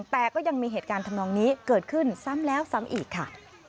แต่ก็ยังมีเหตุการณ์ทำนองนี้เกิดขึ้นซ้ำแล้วซ้ำอีกค่ะ